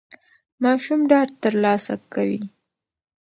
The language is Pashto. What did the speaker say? ماشوم ډاډ ترلاسه کوي.